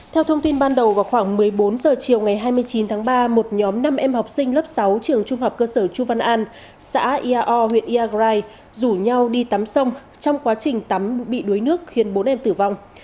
theo thông tin ban đầu vào khoảng một mươi bốn h chiều ngày hai mươi chín tháng ba một nhóm năm em học sinh lớp sáu trường trung học cơ sở chu văn an xã iao huyện iagrai rủ nhau đi tắm sông trong quá trình tắm bị đuối nước khiến bốn em tử vong